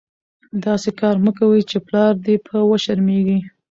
داسي کار مه کوئ، چي پلار دي په وشرمېږي.